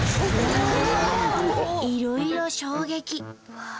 いろいろ衝撃。